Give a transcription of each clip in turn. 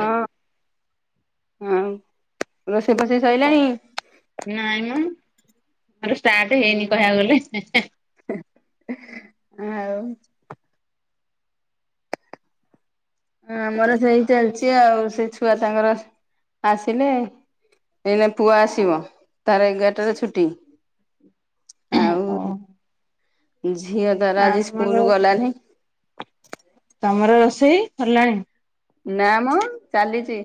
ହଁ-ହଁ ରୋଷେଇ ଫୋଷେଇ ସଇଲାଣି? ନାଇଁ ମ ମୋର ଷ୍ଟାର୍ଟ ହେଇନି କହିବାକୁ ଗଲେ ହେ-ହେ। ଆଉ ଆମର ସେଇ ଚାଲିଛି ଆଉ ସେ ଛୁଆ ତାଙ୍କର ଆସିଲେ ଏଇନା ପୁଅ ଆସିବ ତାର ଏଗାର ଟାରେ ଛୁଟି। ଆଉ ଝିଅ ତାର ଆଜି ଆମର ସ୍କୁଲ୍ ଗଲାନି। ତମର ରୋଷେଇ ହେଲାଣି? ନାଁ ମ ଚାଲିଚି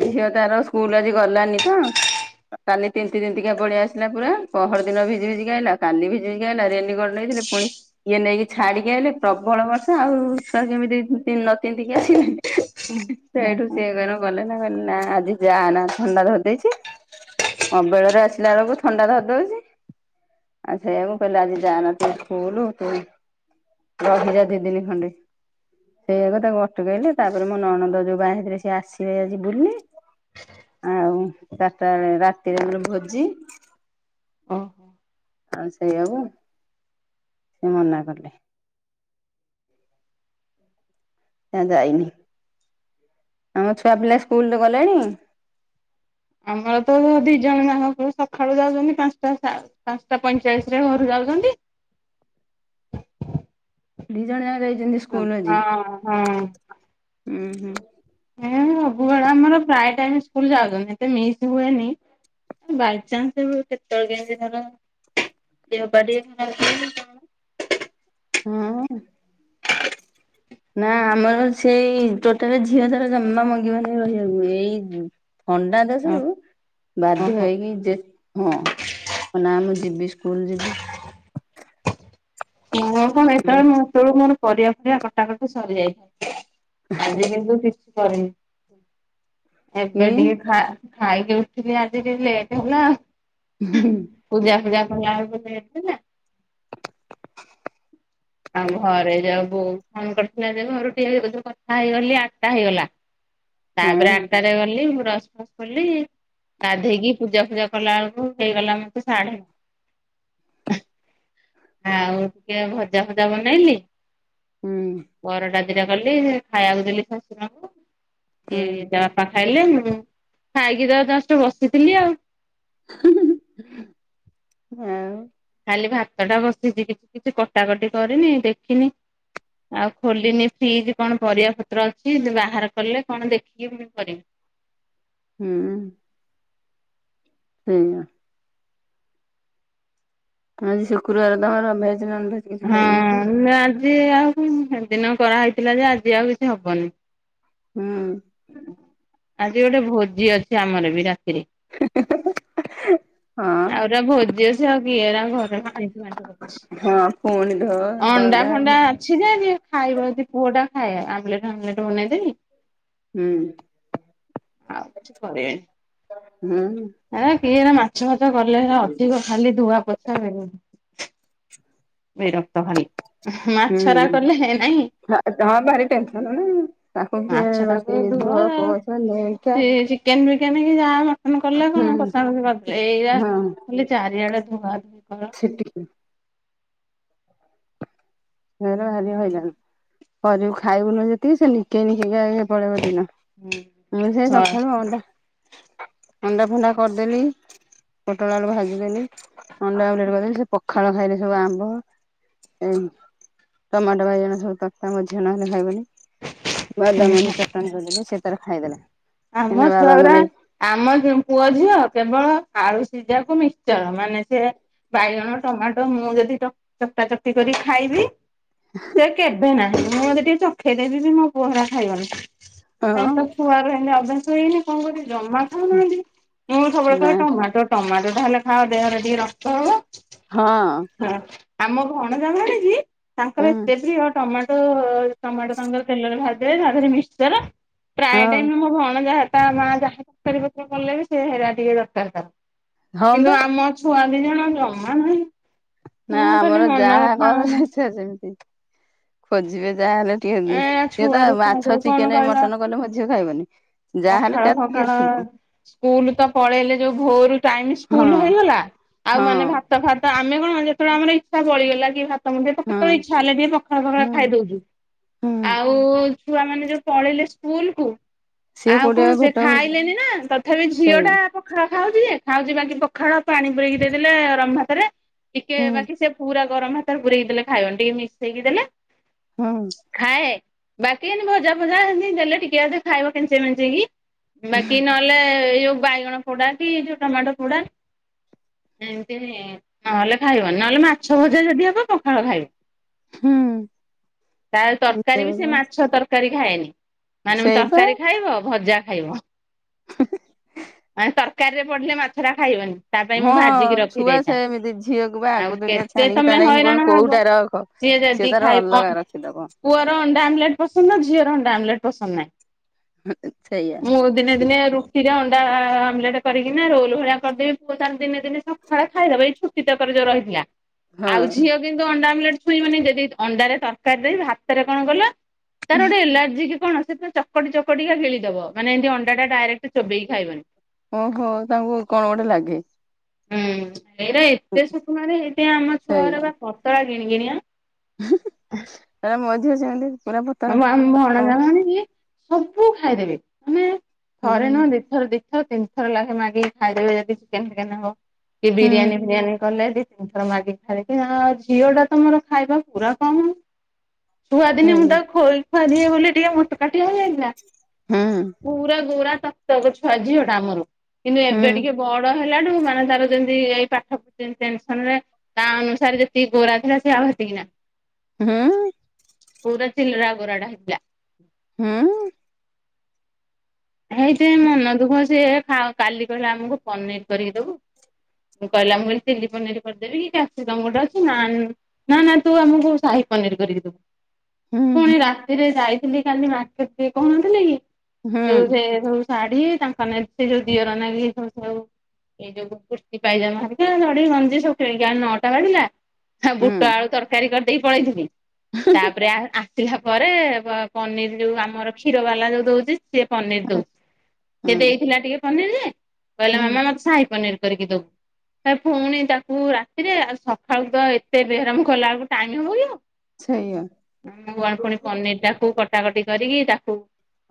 ଝିଅ ତାର ସ୍କୁଲ ଆଜି ଗଲାନି ତ କାଲି ତିନ୍ତି ତିନ୍ତି କା ପଳେଆସିଲା ପୁରା ପହର୍ ଦିନ ଭିଜି ଭିଜିିକା ଆଇଲା କାଲି ଭିଜିିକା ଆଲା ରେନିକୋଟ ନେଇ ପୁଣି ଇଏ ନେଇକି ଛାଡିକି ଆଇଲେ ପ୍ରବଳ ବର୍ଷା ଆଉ ଛୁଆ କେମିତି ତିନ୍ତି ନ ତିନ୍ତି ସେ ସେଇଠୁ ଓହୋ। ସିଏ କଣ ଗଲେ ନା କହିଲେ ନା ଆଜି ଯାଆନା ଥଣ୍ଡା ଧରିଦେଇଛି ଅବେଳରେ ଆସିଲା ବେଳକୁ ଥଣ୍ଡା ଧରିଦଉଛି। ଆ ଛେୟାକୁ କୁ କହିଲେ ଆଜି ଯାନା ତୁ ସ୍କୁଲ ତୁ ରହିଯା ଦି ଦିନି ଖଣ୍ଡେ ସେୟାକୁ ତାକୁ ଟୁକେଇ ଲେତାପରେ ମୁଁ ନଣନ୍ଦ ଯୋଉ ବାହା ହେଇଥିଲେ ସେ ଆସିବେ ଆଜି ବୁଲି। ଆଉ ଚାର୍ଟା ବେଳେ ରାତିରେ ଆମର ଭୋଜି। ଓହୋ। ଆଉ ସେୟାକୁ ସେ ମନା କଲେ। ନା ଯାଇନି ଆମ ଛୁଆ ପିଲା ସ୍କୁଲ ଗଲେଣି? ଆମର ତ ଦି ଜଣ ଯାକ ସକାଳୁ ଯାଉଛନ୍ତି ପାଞ୍ଚଟା ପାଞ୍ଚଟା ପଇଁଚାଳିଶ ରେ ଘରକୁ ଆଉଚନ୍ତି। ଦି ଜଣ ଯାକ ଯାଇଛନ୍ତି ହ ସ୍କୁଲ ଆଜି। ହଁ ହଁ। ଉଁ ହୁଁ। ସବୁବେଳେ ଆମର ପ୍ରାଏ ଟାଇମ୍ ସ୍କୁଲ ଯାଉଛନ୍ତି ଏତେ ମିସ୍ ହୁଏନି। ବାଇ ଚାନ୍ସ କେବେ କେତଳେବେଳେ କେମିତି ଧର ଦେହ ପାହା ଟିକେ ଖରାପ ହୁଏ କି କଣ? ହୁଁ। ହଁ ନା ଆମର ସେଇ ଟୋଟାଲ ଝିଅ ତାର ଜମା ମଙ୍ଗିବ ନେଇ ରହିବାକୁ ଏଇ ଥଣ୍ଡା ଦେଶରୁ ବାଧ୍ୟ ଓହୋ। ହେଇକି ଯେ ହଁ। ନା ମୁଁ ଯିବି ସ୍କୁଲ ଯିବି। [inaudible] ହଁ କଣ ଏତେବେଳେ ମୁଁ ଏତେବେଳୁ ମୋର ପରିବା ପରିବା କଟାକଟି ସରିଯାଇଥାଏ ଆଜି କିନ୍ତୁ କିଛି କରିନି କି ଏବେ ଟିକେ ଖ ଖାଇକି ଉଠିଲି ଆଜି ଟିକ ଲେଟ୍ ହେଲା ପୂଜା ଫୂଜା କଲା ବେଳକୁ ନା। ଆଉ ଘରେ ଯବୁ ଫୋନ କରିଥିଲା ଯେ ଘରୁ ଟିକେ କଥା ହେଇଗଲି ଆଠଟା ହେଇଗଲା। ହଁ ତାପରେ ଆଠଟାରେ ଗଲି ମୁଁ ବ୍ରସ ଫ୍ରସ କଲି। ଗଧେଇକି ପୂଜା ଫୂଜା କଲା ବେଳକୁ ହେଇଗଲା ମତେ ସାଢେ ଆଉ ଟିକେ ଭଲ ଭଜା ଫଜା ବନେଇଲି ହୁଁ ପରଟା ଭଜା କଲି ଖାଇବାକୁ ଦେଲି ଶଶୁରଙ୍କୁ ଏ ହୁଁ ତା ବାପା ଖାଇଲେ ମୁ ହୁଁ ଖାଇକି ତ ଜଷ୍ଟ ବସିଥିଲି ଆଉ। ହଁ। କାଲି ଭାତ ଟା ବସିଛି କିଛି କିଛି କଟାକଟି କରିନି ଦେଖିନି। ଆଉ ଖୋଲିନି ଫ୍ରିଜ କଣ ପରିବା ପତ୍ର ଅଛି ଯ ବାହାର କଲେ କଣ ଦେଖିକି ମୁ କରିବି। [inaudible] ହୁଁ। ସେଇଆ ଆଜି ଶୁକ୍ରବାର ତମର ଭେଜ ନନ ଭେଜ କିଛି ଖାଇବନି କି? ହଁ ଆଜି ଆଉ ସେଦିନ କରାହେଇଥିଲା ଯେ ଆଜି ଆଉ କିଛି ହବନି। ହୁଁ। ଆଜି ଗୋଟେ ଭୋଜି ଅଛି ଆମର ବି ରାତ ଆହୁରି ହଁ ପା ଭୋଜି ଅଛି ଆଉ କିଏ ଏରା ଘରେ ହଁ ପୁଣି ଧୋ ଅଣ୍ଡା ପରଦା ଫଣ୍ଡା ହୁଁ ଅଛି ଯେ ଯ ଖାଇବ ଯଦି ପୁଅ ଖାଏ ଆମ୍ଲେଟ ହାମଲେଟ ବନେଇଦେବି ଆଉ କିଛି କରିବିନି। ହୁଁ। କିଏହେରା ମାଛ ଫାଛ କଲେ ହେରା ଅଧିକ ଖାଲି ଧୁଆ ପୋଛା [unintelligible] ଏ ରକ୍ତ ଖାଲି ମାଛରା କଲେ ନାଇଁ। ନାଁ ତମର ଭାରି ଟେନସନ ନାଇ ତାଙ୍କୁ କିଏ ମାଛ ଟାକୁ ରଷେଇ ଧୋ ପୋଛୋ [unintelligible] କେମିତୀ ଯାହା ହେଉ ମଟନ କଲେ କଣ ସଖାଳ ଏଇଟା ଖାଲି ଚାରିଆଡେ ଧୁଆ ଧୁଇ । ସେତିକି ସେରା ଭାରି ହଇରାଣ କରିବୁ ଖାଇବୁନୁ ଯେତିକି ସେ ନିକେଇ ନିକେଇକା ଆଗେ ପଳେଇବ ଦିନ ମୁଁ ସେଇ ଶଳା ସଖାଳୁ ଅଣ୍ଡା ଅଣ୍ଡା ଫଣ୍ଡା କରିଦେଲି ପୋଟଳ ଆଳୁ ଭାଜିଦେଲି ଅଣ୍ଡାଆମଲେଟ କରିଦେବି ସେ ପ ଖାଳ ଖାଇଲେ ସବୁ ଆମ୍ବ ଏ ଟମାଟୋ ବାଇଜଣ ସବୁ [unintelligible] ମୋ ଝିଅ ନହେଲେ ଖାଇବନି। ବାଦାମ ମଞ୍ଜି ଚଟଣି କରିଦେଲେ ସେତାର ଖାଇଦେଲେ । ଆମ ଛୁଆ ଗୁରା ଆମ ଝିଅ ପୁଅ ଝିଅ କେବଳ ଆଳୁ ସିଝା କୁ ମିକ୍ସଚର ମାନେ ସେ ବାଇଗଣ ଟମାଟୋ ମୁଁ ଯଦି ଚକକା ଚକଟି କରି ଖାଇବି ସେ କେବେ ନାହିଁ ମୁଁ ଯଦି ଟିକେ ଚଖେଇ ଦେବି ବି ମୋ ପୁଅ ହେରା ଖାଇବନି। ହଁ ତାଙ୍କର ତ ଛୁଆରୁ ହେନ୍ତି ଅଭ୍ୟାସ ହେଇନି କଣ କରିବି? ଜମା ଖାଉନାହାନ୍ତି ମୁଁ ସବୁବେଳେ ନା କହେ ଟମାଟୋ ଟମାଟୋ ତାହଲେ ଖାଅ ଦେହରେ ଟିକେ ରକ୍ତ ହବ। ହଁ। ହଁ ଆମ ଭଣଜା ଭାଣିଜୀ ତାଙ୍କର ହୁଁ ଏତେ ପ୍ରିୟ ଟମାଟୋ ଟମାଟୋ ତାଙ୍କର ତେଲରେ ଭାଜି ତା ଦେହରେ ମିକ୍ସର ପ୍ରାୟ ହଁ ଟାଇମ ମୋ ଭନ ଜା ଆ ଯାହା ତା ମା ଯାହା ଦରକାରୀ ପତ୍ର କଲେ ବି ସେ ହେରା ଟିକେ ଦରକାର ତାହାର ହଁ କିନ୍ତୁ ବା ଆମ ଛୁଆ ଦି ଜଣ ଜମା ନାହିଁ। ନା ମୁଁ ଖାଲି ଆମର ମନ ଯାହା ଖାଉନୁ କରାଯାଇଥାଉ ସେମିତି ଖୋଜିବେ। ଯାହାହେଲେ ଟିକେ ଏ ସିଏ ତ ଛୁଆରୁ ମାଛ ଯୋଉ କଣ ଚିକେନ କହିଲ ମଟନ କଲେ ମୋ ଝିଅ ଖାଇବନି । ପଖାଳ ଫଖାଳ ସ୍କୁଲ ତ ପଳେଇଲେ ଯୋଉ ଭୋର ଟାଇମ୍ ହଁ ସ୍କୁଲ ହେଇଗଲା। ଆଉ ମାନେ ହଁ ଭାତ ଭାତ ଆମେ କଣ ଯେତେବେଳେ ଆମର ଇଛା ବଳିଗଲା କି ଭାତ ତମର ଟିକ ତ କେତେବେଳେ ହଁ ଇଛା ହେଲା ଟିକେ ପଖାଳ ପଖାଳ ହଁ ଖାଇ ଦଉଛୁ ହଁ। ଆଉ ଛୁଆମାନେ ଯୋଉ ପଲେଇଲେ ସ୍କୁଲ କୁ ସିଏ ଆଉ କୋଉଠି କଣ ସେ ଭେଟ ହଉଛି ଖାଇଲେନି ନା ତଥାପି ଝିଅ ଟା ସେଇଆ ପଖାଳ ଖାଉଛି ଯେ ଖାଉଛି ବାକି ପଖାଳ ପାଣି ପୁୁରେଇକି ଦେଇଦେଲେ ଗରମ ଭାତରେ ଟିକେ ହୁଁ ବାକି ସେ ପୁରା ଗରମ ଭାତ ରେ ପୁରେଇକି ଦେଲେ ଖାଇବନି। ଟିକେ ମିସେଇକି ଦେଲେ ହୁଁ ଖାଏ ବାକି ଏନ୍ତି ଭଜା ଫଜା ହେନ୍ତି ଦେଲେ ଟିକେ ଅଧେ ଖାଇବ କେଞ୍ଚେ ମେଞ୍ଚେକି। ବାକି ନହେଲେ ଏଇ ଯୋଉ ବାଇଗଣ ପୋଡା କି ଯୋଉ ଟମାଟୋ ପୋଡା ଏମତି ନହେଲେ ଖାଇବନି। ନହେଲେ ମାଛ ଭଜା ଯଦି ହବ ପଖାଳ ଖାଇବ। ହୁଁ। ତା ତରକାରୀ ବି ସେ ମାଛ ତରକାରୀ ଖାଏନି। ମାନେ ସେଇପା। ତରକାରୀ ଖାଇବ ଭଜା ଖାଇବ। ମାନେ ତରକାରୀରେ ପଡିଲେ ମାଛରା ଖାଇବନି। ତା ପାଇଁ ମୁଁ ହଁ ଭାଜିକି ରଖି ଛୁଆ ଦେଇଥାଏ। ସେମିତି ଝିଅକୁ ବା ଆଉ ଆଗୁତୁରିଆ କେତେ ଛାଣିକି ତା ତମେ ନାଗି ମୁଁ ହଇରାଣ କହିବି ହବ? କୋଉଟା ରଖ ସିଏ ଯଦି ତାର ଖାଇବ। ଅଲଗା ରଖିଦବ ପୁଅର ଅଣ୍ଡା ଆମଲେଟ ପସନ୍ଦ ଝିଅର ଅଣ୍ଡା ଆମଲେଟ ପସନ୍ଦ ନାଇଁ। ସେଇଆ ମୁଁ ଦିନେ ଦିନେ ରୁଟିରେ ଅଣ୍ଡା ଆମଲେଟ କରିକିନା ରୋଲ ଭଳିଆ କରିଦେବି ପୁଅ ତାର ଦିନେ ଦିନେ ସକାଳେ ଖାଇଦବ। ଏଇ ଛୁଟି ତକରେ ଯଉ ରହିଥିଲା। ଆଉ ହଁ ଝିଅ କିନ୍ତୁ ଅଣ୍ଡା ଆମଲେଟ ଛୁଇଁବନି। ଯଦି ଅଣ୍ଡାରେ ତରକାରୀ ଦେଇ ଭାତରେ କଣ କଲ ତାର ଗୋଟେ ଏଲାର୍ଜି କି କଣ ସେ ତ ଚ ଚକଟି ଚକଟିକା ଗିଳିଦବ। ମାନେ ଏମତି ଅଣ୍ଡାଟା ଡାଇରେକ୍ଟ ଚୋବେଇକି ଖାଇବନି । ଓହୋ ତାଙ୍କୁ କଣ ଗୋଟେ ଲାଗେ ହୁଁ ଏଇରା ଏତେ ସୁକୁମାରି ହେଥିପାଇଁ ଆମ ସେଇଆ ଛୁଆଗୁରା ପତଳା ଗିଣିଗିଣିଆ। ମୋ ଝିଅ ସେମିତି। ପୁରା ପତଳା ଆମ ଆମ ହଁ ଭଣଜା ଭାଣିଜୀ ସବୁ ଖାଇଦେବେ ମାନେ ହୁଁ ଥରେ ନୁହଁ ଦିଇଥ ଦିଥର ତିନିଥର ଲାଗେ ମାଗିକି ଖାଇଦେବେ ଯଦି ଚିକେନ ଫିକେନ ହବ। କି ହୁଁ ବିରିୟାନୀ ଫିରିୟାନୀ କଲେ ଦି ତିନି ଥର ମାଗିକି ଖାଇବେ। ଆ ଝିଅ ଟା ମୋର ଖାଇବା ପୁରା କମ୍ । ଛୁଆ ଦିନେ ମୁଁ ସେଇଆ। ତାକୁ ଖୋଇ ବୋଲି ଟିକେ ମୋଟକାଠିଆ ହୋଇଯାଇଥିଲା। ପୁରା ଗୋରା ଛୁଆ ଝିଅଟା ଆମର। କିନ୍ତୁ ଏବେ ଟିକେ ବଡ ହେଲାଠୁ ମାନେ ତାର ଯେମିତି ଏଇ ପାଠ ଟେନସନ ରେ ତା ଅନୁସାରେ ଯେତିକି ଗୋରା ଥିଲା ସେ ଆ। [unintelligible] ହୁଁ। ପୁରା ଚିଲିରା ଗୋରାଟା ହେଇଥିଲା। ହୁଁ। ହେଇଥିପାଇଁ ମନ ଦୁଃଖ ସିଏ କାଲି କହିଲା ଆମକୁ ପନିର କରିକି ଦବୁ। କହିଲା ମୁଁ କହିଲି ଚିଲି ପନିର କରିଦେବି କି ଗୋଟେ କ୍ୟାପସିକମ୍ ଗୋଟେ ଅଛି। ନା ନା ନା ତୁ ଆମକୁ ସାହି ପନିର କରିକି ଦବୁ। ପୁଣି ରାତିରେ ଯାଇଥିଲି କାଲି ମାାର୍କେଟ୍ କହୁନଥିଲି କି? ଯୋଉ ସେ ସବୁ ଶାଢୀ ତାଙ୍କ ନା ସେ ଯୋଉ ଦିଅର ନାଗି ସବୁ ସବୁ ଏଇ ଯୋଉ କୁର୍ତ୍ତିୀ ପାଇଜାମା ହେରିକା ଚଡ଼ି ଗଞ୍ଜି ସବୁ କିନିକି ଆଣିଲୁ ନଅଟା ବାଜିଲା । ବୁଟ ଆଳୁ ତରକାରୀ କରିଦେଇକି ପଳେଇଥିଲି। ତାପରେ ଆସିଲା ପରେ ପନିର ଯୋଉ ଆମର କ୍ଷୀର ବାଲା ଯୋଉ ଦଉଚି ସିଏ ପନିର ଦଉଚି। ସେ ଦେଇଥିଲା ଟିକେ ପନିର ଯେ କହିଲା ମାମା ମତେ ସାହି ପନିର କରିକି ଦବୁ । ଏ ପୁଣି ତାକୁ ରାତିରେ ଆଉ ସକାଳୁ ତ ଏତେ ବେହରାମ କଲା ବେଳକୁ ଟାଇମ ହବ କି ସେଇଆ ଆଉ? ପୁଣି ପନିର ଟାକୁ କଟାକଟି କରିକି ତାକୁ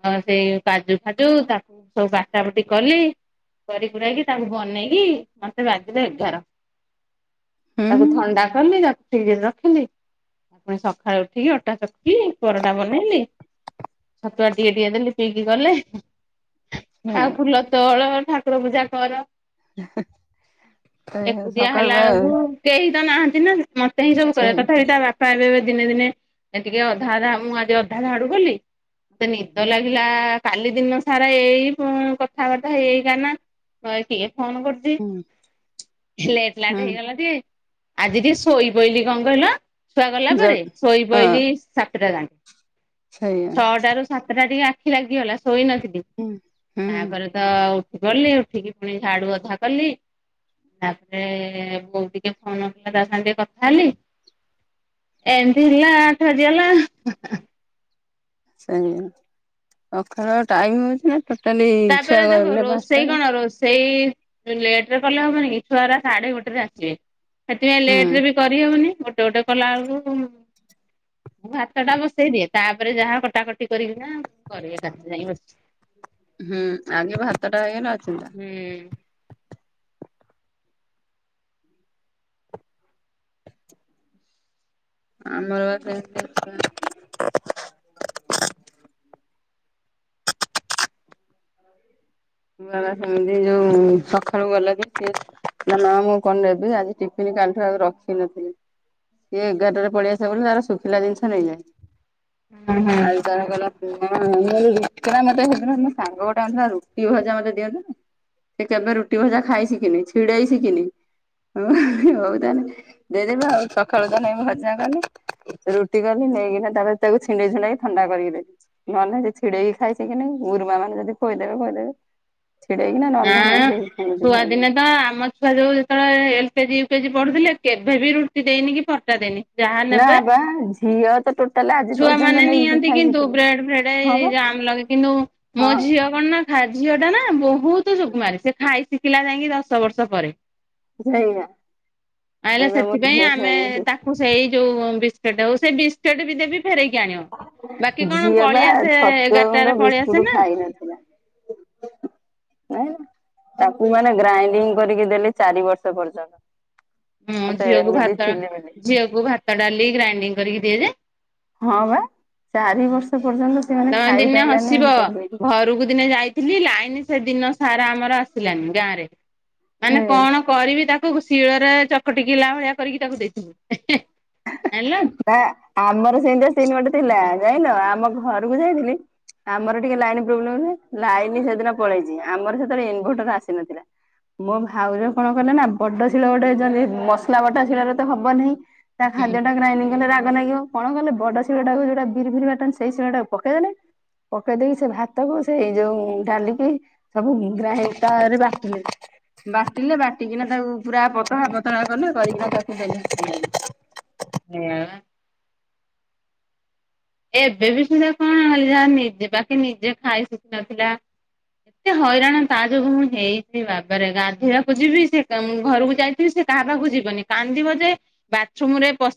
ଅ ସେଇ କାଜୁ ଫାଜୁ ତାକୁ ସବୁ ବାଟା ବୁଟି କଲି । କରି କୁରାକି ତାକୁ ବନେଇକି ମତେ ବାଜିଲା ଏଗାର । ତାକୁ ହୁଁ ଥଣ୍ଡା କଲି ତାକୁ ଫ୍ରିଜ ରେ ରଖିଲି । ପୁଣି ସକାଳୁ ଉଠିକି ଅଟା ଚକଟି ପରଟା ବନେଇଲି । ଛତୁଆ ଟିକେ ଟିକେ ଦେଲି। ନେଇକି ଗଲେ। ଆଉ ସେଇଆ ଫୁଲ ତୋଳ ଠାକୁର ପୂଜା କର। [inaudible] [inaudible] ସେଇଆ ଏକୁଟିଆ ସକାଳୁ ହେଲା ବା ବେଳକୁ କେହି ତ ନାହାନ୍ତି ନା ମତେ ହିଁ ସବୁ କରେ ସେଇଆ ତଥାପି ତା ବାପା ଏବେ ଦିନେ ଦିନେ ଟିକେ ଅଧା ଅଧା ମୁଁ ଆଜି ଅଧା ଝାଡୁ କଲି ମତେ ନିଦ ଲାଗ ପିଲା କାଲି ଦିନ ସାରା ଏଇ ପୁଁ କଥାବାର୍ତ୍ତା ହେଇ ହେଇକା ନାଁ କିଏ ଫୋନ୍ କରୁଚି ହୁଁ ଲେଟ୍ ଲାଟ ହୁଁ ହେଇଗଲା ଟିଏ। ଆଜି ଟିଏ ଶୋଇ ପଇଲି କଁ କହିଲ ଛୁଆ ଗଲା ଜଲ୍ ପରେ ଶୋଇ ହଁ ପଇଲି ସାତଟା ଯା ସେଇଆ ଛଅଟା ରୁ ସାତଟା ଟିକେ ଆଖି ଲାଗିଗଲା । ଶୋଇ ନଥିଲି ହୁଁ ହୁଁ ତାପରେ ତ ଉଠି ପଡ଼ିଲି ଉଠିକି ପୁଣି ଝାଡ଼ୁ ଅଧା କଲି । ତାପରେ ବୋଉ ଟିକେ ଫୋନ୍ କଲା ତା ସାଁ ଟିକେ କଥା ହେଲି। ଏମତି ହେଲା ଆଠ ଆଜିଅଲା । ସେଇଆ ସଖାଳୁ ଆଉ ଟାଇମ୍ ହୋଉଚି ନାଁ? ତାପରେ ଦେଖ ରୋଷେଇ କଣ ରୋଷେଇ ଲେଟ୍ ରେ କଲେ ହବନି କି ଛୁଆରା ସାଢ଼େ ଗୋଟେରେ ଆସିବେ ସେଥିପାଇଁ ହୁଁ ଲେଟ୍ ରେ ବି କରିହୋଉନି ଗ ଟେ ଓଟେ କଲା ଅଳୁକୁ ମୁଁ ଭାତଟା ବସେଇ ଦିଏ ତାପରେ ଯାହା କଟାକଟି କରିକିନା କରିବି ଏକାଥରେ ଯାଇଁ ବସ୍ ହୁଁ ଆଗେ ଭାତଟା ହେଇଗଲା ଅ ହୁଁ । ଆମର ବା ସେମତି ଉଛୁଳା [inaudible] ଉଆ ବା ସେମିତି ଯୋଉ ସଖାଳୁ ଗଲା ଯେ ସିଏ ନାଁ ନାଁ ମୁଁ କଣ ନେବି ଆଜି ଟିଫିନ୍ କାଲିଠୁ ଆଉ ରଖି ନଥିନି। ଇଏ ଏଗାରଟାରେ ପଳିଆସିବ ବୋଲି ତାର ଶୁଖିଲା ଜିନିଷ ନେଇଯାଏ। ହୁଁ ହୁଁ ଆଜି ତାର କହିଲା ପୁଆଁ ମୁଁ ଅଇନି ରୁଟି କହିଲା ମତେ ହେଦିନ ସାଙ୍ଗ ଗୋ ତାଁ ଥା ରୁଟି ଭଜା ମତେ ଦିଅନ୍ତେନେଇ ସେ କେବେ ରୁଟି ଭଜା ଖାଇ ଶିକିନେଇ ଛିଡ଼େଇ ଶିକିନେଇ। ଅ ହଉ ତାହେନେ ଯଦି ଭ ଆଉ ସଖାଳୁ ତାନେ ଭଜା କନି ରୁଟି କନି ନେଇକିନା ତାପରେ ତାକୁ ଛିଣ୍ଡେଇ ଛୁଣ୍ଡାକି ଥଣ୍ଡା କରିକି ଦେନି ନହେନେ ନାହିଁ ସେ ଛିଡ଼େଇକି ଖାଇ ସିକିିନେଇ ଗୁରୁମାମାନେ ଯଦି ଖୋଇ ଦେବେ ଖୋଇ ଦେବେ। ଆଁ ଛୁଆ ଦିନେ ତ ଆମ ଛୁଆ ଯୋଉ ଯେତୋଳେ ଏଲ୍ କେଜି ୟୁ କେଜି ପଢ଼ୁଥିଲେ କେଭେ ବି ରୁଟି ଦେଇନି କି ପରଟା ଦେଇନି। ଯାହା ନା ନେବେ ବା ଝିଅ ତ ଟୋଟାଲ ଆଜି ପର୍ଯ୍ୟନ୍ତ ଛୁଆମାନେ ନେଇକି ନିଅନ୍ତି ଖାଇ କିନ୍ତୁ ଶିଖିନି। ବ୍ରେଡ଼୍ ଫ୍ରେଡ଼୍ ହଁ ଏଇ ବା ଜା ଉଁ ଲଗେ କିନ୍ତୁ ମୋ ହଁ ଝିଅ କଣ ନାଁ ଖା ଝିଅଟା ନାଁ ବୋହୁତ୍ ସୁକୁମାରୀ ସେ ଖାଇ ଶିକିଲା ଯାଇଁକି ଦଶ ବର୍ଷ ପରେ। ସେଇଆ। ଆଇଲା ଏବେ ମୋ ସେଥିପାଇଁ ଝିଅ ଆମେ ସେମିତି ତାକୁ ସେଇ ଯୋଉ ବିସ୍କେଟ୍ ହୋଉ ସେ ବିସ୍କେଟ୍ ବି ଦେବି ଫେରେଇକି ଆଣିଅ। ବାକି କଣ ଝିଅ ବା ପଳିଆସେ ଛତୁଆ ଗୁଣ୍ଡ ଏଗାରଟାରେ ପଳିଆସେ ବିସ୍କୁଟ ନାଁ। ଖାଇ ଜାଇଁଲ ତାକୁ ମାନେ ଗ୍ରାଇଣ୍ଡିଙ୍ଗ୍ କରିକି ଦେଲି ଚାରି ବର୍ଷ ପର୍ଯ୍ୟନ୍ତ। ମୋ ମତେ ଝିଅକୁ ଏମିତି ଭାତ, ଚିଲିମିଲି ଝିଅକୁ ଭାତ, ଡାଲି ଗ୍ରାଇଣ୍ଡିଙ୍ଗ୍ କରିକି ଦିଏ ଯେ। ହଁ ବା ଚାରି ବର୍ଷ ପର୍ଯ୍ୟନ୍ତ ସେମାନେ ତମେ ଖାଇ ଦିନେ ପାଇଲାନି ହସିବ ଏମିତି କହିଲି। ଘରକୁ ଦିନେ ଯାଇଥିଲି ଲାଇନ୍ ସେ ଦିନ ସାରା ଆମର ଆସିଲାନି ଗାଁରେ ମାନେ ସେଇଆ କଣ କରିବି ତା କୁକୁ ଶିଳରେ ଚକଟିକିଲା ଭଳିଆ କରିକି ତାକୁ ଦେଇଥିନି ଏହେଁ। ନାଁ ଆମର ସେନ୍ତିଆ ସିନ୍ ଗଟେ ତିଲା ଜାଇଁଲ ଆମ ଘରୁକୁ ଯାଇଥିଲି ଆମର ଟିକେ ଲାଇନ୍ ପ୍ରୋବ୍ଲେମ୍ ଥାଏ । ଲାଇନ୍ ସେଦିନ ପଳେଇଚି ଆମର ସେତଳେ ଇନଭଟର୍ ଆସିନଥିଲା। ମୋ ଭାଉଜ କଣ କଲେ ନାଁ ବଡ଼ ଶିଳ ଗୋଟେ ଯ ଯେ ମସଲା ବଟା ଶିଳରେ ତ ହବନେହିଁ ତା ସେଇଆ ଖାଦ୍ୟଟା ଗ୍ରାଇଣ୍ଡିଂ କଲେ ରା ମା ନାଗିବ କଣ କଲେ, ବଡ଼ ଶିଳଟାକୁ ଯୋଉଟା ବିରି ଫିରି ବାଟନ୍ତି ସେଇ ଶିଳଟାକୁ ପକେଇଦେଲେ ପକେଇ ଦେଇ ସେ ଭାତକୁ ସେଇ ଯୋଉ ଡାଲିକି ସବୁ ଗ୍ରାଇ ତାରେ ବାଟିଲେ। ବାଟିଲେ ବାଟିକିନା ତାକୁ ପୁରା ପତଳା ପତଳା କଲେ କରିକିନା ତାକୁ ଦେଲେ ଖାଇ ଏଁ ଏବେ ବି ସୁଧା କଣ ଯାହା ନିଜେ ବାକି ନିଜେ ଖାଇ ଶିକିନଥିଲା। ଏତେ ହଇରାଣ ତା ଯୋଗୁ ମୁଁ ହେଇଛିି। ବାବାରେ ଗାଧୋଇବାକୁ ଯିବି, ସେ ଉଁ ଘରକୁ ଯାଇଥିବି ସେ କାହା ପାଖକୁ ଯିବନି କାନ୍ଦିବ ଯେ ବାଥରୁମ୍ ରେ ପଶ